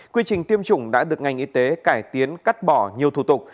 quy trình tiêm chủng đã được ngành y tế cải tiến cắt bỏ nhiều thủ tục